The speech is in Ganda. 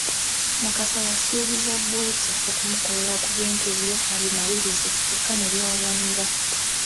Mukasa yasuubizza Bwete okumukolera ku bintu bye abimalirize kyokka ne biwagamira.